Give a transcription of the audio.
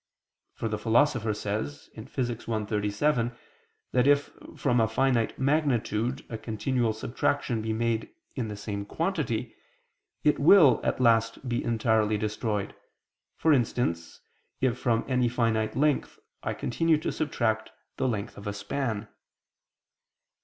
For the Philosopher says (Phys. i, text. 37) that if from a finite magnitude a continual subtraction be made in the same quantity, it will at last be entirely destroyed, for instance if from any finite length I continue to subtract the length of a span.